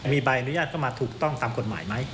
มีใบอนุญาตเข้ามาถูกต้องตามกฎหมายไหม